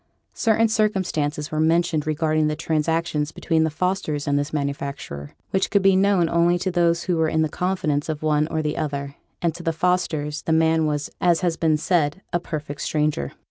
Certain circumstances were mentioned regarding the transactions between the Fosters and this manufacturer, which could be known only to those who were in the confidence of one or the other; and to the Fosters the man was, as has been said, a perfect stranger.